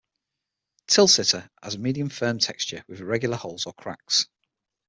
Tilsiter has a medium-firm texture with irregular holes or cracks.